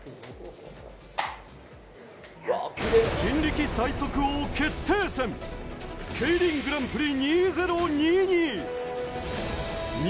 人力最速王決定戦、ＫＥＩＲＩＮグランプリ２０２２。